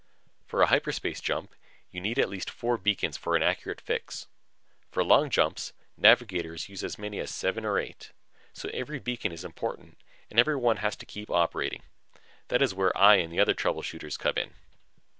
For a hyperspace jump, you need at least four beacons for an accurate fix. For long jumps, navigators use as many as seven or eight. So every beacon is important and every one has to keep operating. That is where I and the other trouble shooters came in.